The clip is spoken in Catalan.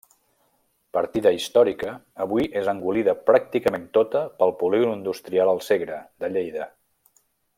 Partida històrica, avui és engolida pràcticament tota pel Polígon Industrial El Segre, de Lleida.